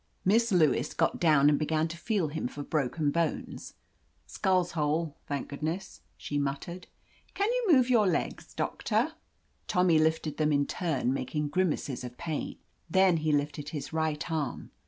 Miss Lewis got down and began to feel him for broken bones. "Skull's whole, thank goodness!" she mut tered. "Can you move your legs. Doctor?" 69 THE AMAZING ADVENTURES Tommy lifted them in turn, making gri maces of pain. Then he lifted his right arm.